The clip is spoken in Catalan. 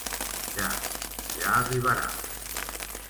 Ja, ja arribarà...